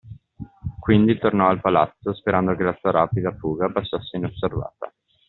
Quindi tornò al palazzo, sperando che la sua rapida fuga passasse inosservata.